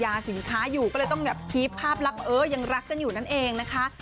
สินค้าอยู่ก็เลยต้องแบบคีฟภาพลักษณ์เออยังรักกันอยู่นั่นเองนะคะ